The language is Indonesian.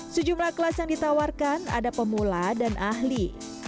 sejumlah kelas yang ditawarkan ada pemula dan ahli